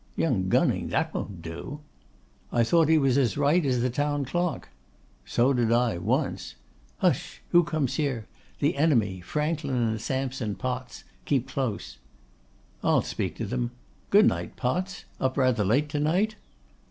'Young Gunning! That won't do.' 'I thought he was as right as the town clock.' 'So did I, once. Hush! who comes here? The enemy, Franklin and Sampson Potts. Keep close.' 'I'll speak to them. Good night, Potts. Up rather late to night?